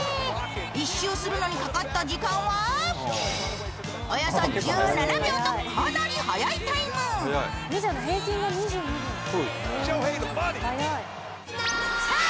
１周するのにかかった時間はおよそ１７秒とかなり速いタイムさあ